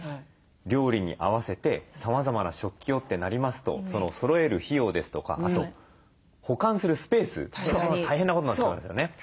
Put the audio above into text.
料理に合わせてさまざまな食器をってなりますとそろえる費用ですとかあと保管するスペース大変なことになっちゃいますよね。